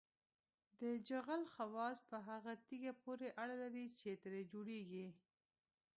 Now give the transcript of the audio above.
د جغل خواص په هغه تیږه پورې اړه لري چې ترې جوړیږي